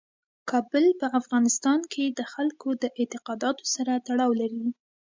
کابل په افغانستان کې د خلکو د اعتقاداتو سره تړاو لري.